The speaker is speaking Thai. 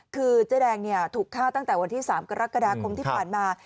คือเจ๊แดงถูกฆ่าตั้งแต่วันที่๓กรกฎาคมที่ผ่านมา